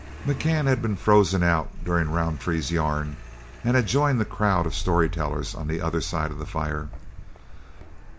McCann had been frozen out during Roundtree's yarn, and had joined the crowd of story tellers on the other side of the fire.